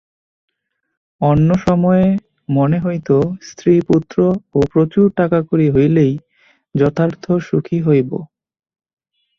অন্য সময়ে মনে হইত, স্ত্রী-পুত্র ও প্রচুর টাকাকড়ি হইলেই যথার্থ সুখী হইব।